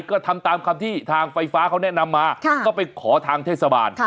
ก็ทำตามคำที่ทางไฟฟ้าเขาแนะนำมาก็ไปขอทางเทศบาล